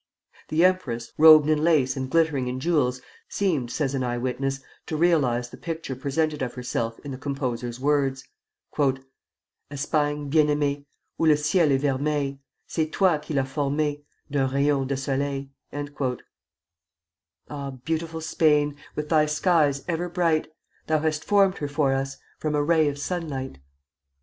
The empress, robed in lace and glittering in jewels, seemed, says an eye witness, to realize the picture presented of herself in the composer's words: "Espagne bien aimée, Où le ciel est vermeil, C'est toi qui l'as formée D'un rayon de soleil." [Footnote 1: Ah, beautiful Spain, With thy skies ever bright, Thou hast formed her for us From a ray of sunlight.